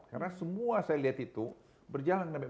karena semua saya lihat itu berjalan dengan baik